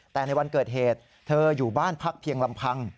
แต่ในวันเกิดเหตุเธออยู่บ้านพักเพียงลำพัง